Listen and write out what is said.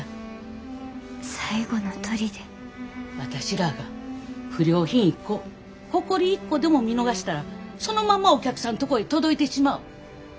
私らが不良品一個ほこり一個でも見逃したらそのままお客さんとこへ届いてしまう。